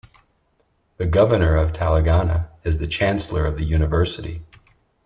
The Governor of Telangana is the Chancellor of the university.